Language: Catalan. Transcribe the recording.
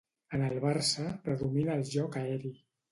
En el Barça predomina el joc aeri.